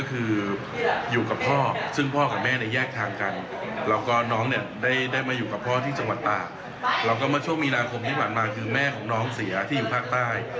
เพราะว่าที่จังหวัดตาเราก็มาช่วงมีนาคมที่ผ่านมาคือแม่ของน้องเสียที่อยู่ภาคใต้